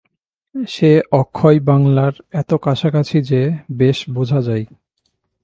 সে অক্ষর বাঙলার এত কাছাকাছি যে, বেশ বোঝা যায়।